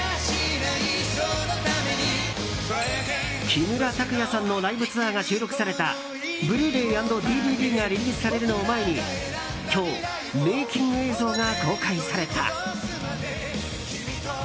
木村拓哉さんのライブツアーが収録されたブルーレイ＆ＤＶＤがリリースされるのを前に今日、メイキング映像が公開された。